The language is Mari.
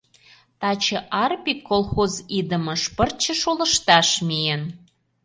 Таче Арпик колхоз идымыш пырче шолышташ миен.